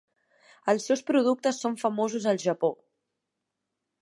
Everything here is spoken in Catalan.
Els seus productes són famosos al Japó.